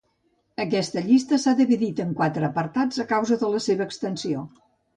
"Aquesta llista s'ha dividit en quatre apartats a causa de la seva extensió:"